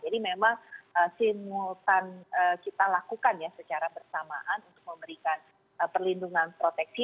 jadi memang simultan kita lakukan ya secara bersamaan untuk memberikan perlindungan proteksi